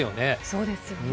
そうですよね。